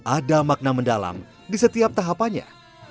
ada makna mendalam di setiap tahapannya